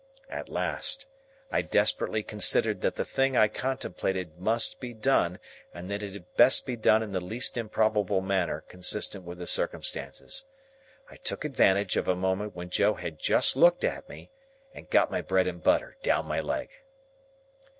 At last, I desperately considered that the thing I contemplated must be done, and that it had best be done in the least improbable manner consistent with the circumstances. I took advantage of a moment when Joe had just looked at me, and got my bread and butter down my leg.